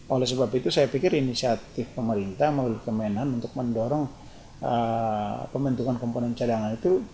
oleh sebab itu saya pikir inisiatif pemerintah melalui kemenhan untuk mendorong pembentukan komponen cadangan itu